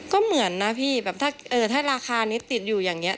ก็เหมือนนะพี่แบบถ้าราคานี้ติดอยู่อย่างนี้